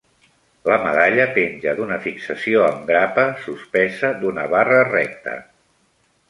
La medalla penja d'una fixació amb grapa suspesa d'una barra recta.